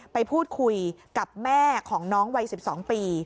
ไปพูดคุยกับแม่ของน้องวัย๑๒ปี